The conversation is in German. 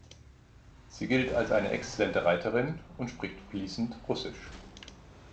Sie gilt als eine exzellente Reiterin und spricht fließend Russisch.